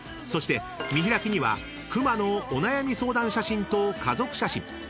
［そして見開きにはクマのお悩み相談写真と家族写真。